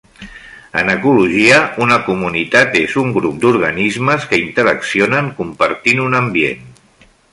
En ecologia, una comunitat és un grup d'organismes que interaccionen compartint un ambient.